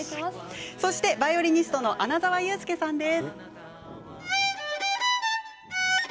そして、バイオリニストの穴澤雄介さんです。